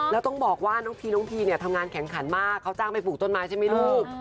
แล้วต้องบอกว่าน้องพีน้องพีเนี่ยทำงานแข็งขันมากเขาจ้างไปปลูกต้นไม้ใช่ไหมลูก